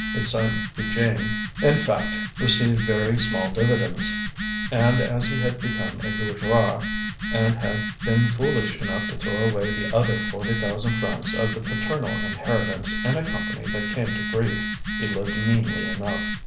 His son Eugéne, in fact, received very small dividends; and as he had become a bourgeois and had been foolish enough to throw away the other forty thousand francs of the paternal inheritance in a company that came to grief, he lived meanly enough.